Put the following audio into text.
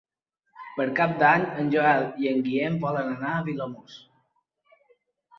Per Cap d'Any en Joel i en Guillem volen anar a Vilamòs.